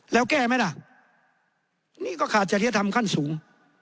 แล้วแก้ไหมล่ะนี่ก็ขาดจริยธรรมขั้นสูง